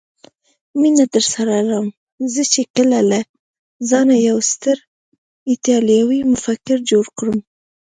مینه درسره لرم، زه چې کله له ځانه یو ستر ایټالوي مفکر جوړ کړم.